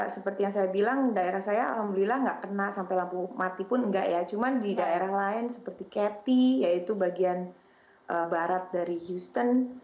seperti yang saya bilang daerah saya alhamdulillah nggak kena sampai lampu mati pun enggak ya cuman di daerah lain seperti catty yaitu bagian barat dari houston